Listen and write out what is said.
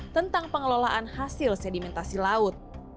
tentang pengelolaan hasil sedimentasi laut